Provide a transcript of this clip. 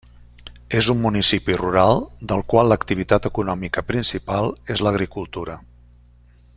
És un municipi rural del qual l'activitat econòmica principal és l'agricultura.